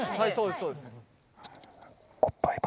そうです